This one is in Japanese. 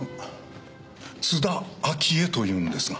津田明江というんですが。